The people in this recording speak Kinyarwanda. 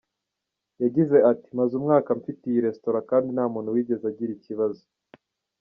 Yagize ati “Maze umwaka mfite iyi restaurant kandi nta muntu wigeze agira ikibazo.